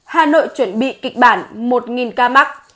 hà nội chuẩn bị kịch bản một ca mắc